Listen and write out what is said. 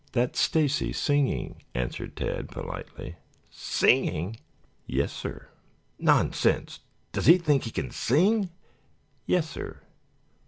"That's Stacy singing," answered Tad politely. "Singing?" "Yes, sir." "Nonsense! Does he think he can sing?" "Yes, sir."